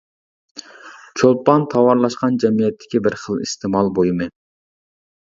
چولپان تاۋارلاشقان جەمئىيەتتىكى بىر خىل ئىستېمال بۇيۇمى.